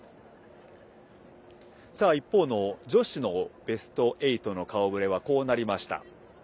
一方の女子のベスト８の顔ぶれはこうなりました。